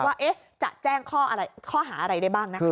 ว่าจะแจ้งข้อหาอะไรได้บ้างนะคะ